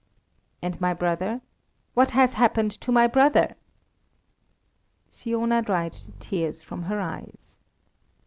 "And my brother? What has happened to my brother?" Siona dried the tears from her eyes.